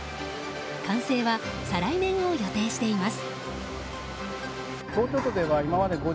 完成は再来年を予定しています。